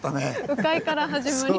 鵜飼から始まり。